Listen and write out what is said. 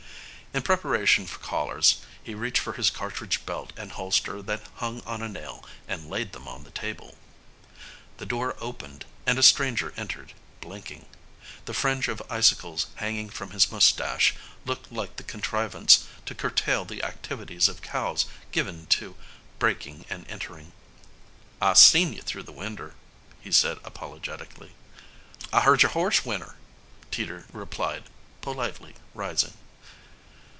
In preparation for callers he reached for his cartridge belt and holster that hung on a nail and laid them on the table. The door opened and a stranger entered, blinking. The fringe of icicles hanging from his moustache looked like the contrivance to curtail the activities of cows given to breaking and entering. "I seen you through the winder," he said apologetically. "I heard your horse whinner," Teeters replied, politely, rising.